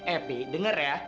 eh pi denger ya